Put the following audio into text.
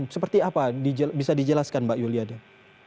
seperti apa bisa dijelaskan mbak yulia dian